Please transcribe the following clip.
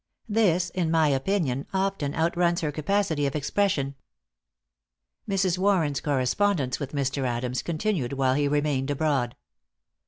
This, in my opinion, often outruns her capacity of expression." Mrs. Warren's correspondence with Mr. Adams continued while he remained abroad.